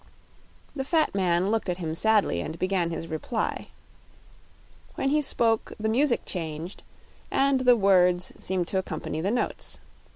The fat man looked at him sadly and began his reply. When he spoke the music changed and the words seemed to accompany the notes.